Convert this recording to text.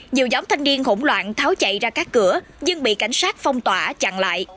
nhiều nhóm thanh niên hỗn loạn tháo chạy ra các cửa nhưng bị cảnh sát phong tỏa chặn lại